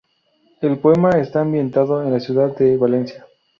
El poema está ambientado en la ciudad de Valencia.